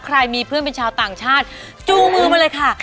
ใครมีเพื่อนเป็นชาวต่างชาติจูงมือมาเลยค่ะ